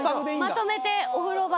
まとめてお風呂場。